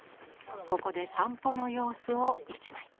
ここで散歩の様子を一枚。